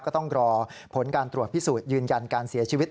ก็ต้องรอผลการตรวจพิสูจน์ยืนยันการเสียชีวิต